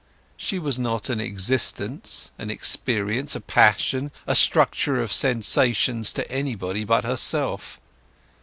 She was not an existence, an experience, a passion, a structure of sensations, to anybody but herself.